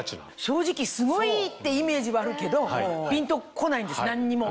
正直すごい！ってイメージはあるけどピンと来ないんです何にも。